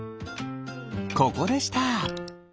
ここでした。